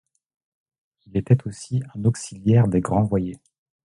Il était aussi un auxiliaire des grands voyers.